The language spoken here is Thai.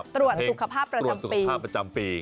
ตรวจสุขภาพประจำปี